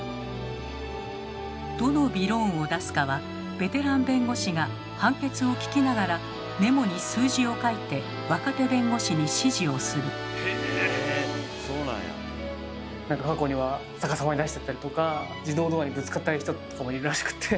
どのびろーんを出すかはベテラン弁護士が判決を聞きながらメモに数字を書いて若手弁護士に指示をする。ということで井手らっきょ。